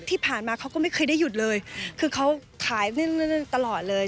ที่ผ่านมาเขาก็ไม่เคยได้หยุดเลยคือเขาขายนั่นตลอดเลย